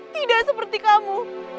tidak seperti kamu